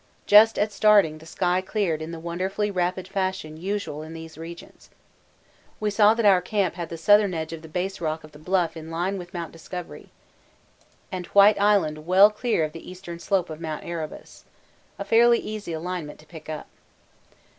Just at starting the sky cleared in the wonderfully rapid fashion usual in these regions. We saw that our camp had the southern edge of the base rock of the Bluff in line with Mt. Discovery, and White Island well clear of the eastern slope of Mt. Erebus. A fairly easy alignment to pick up.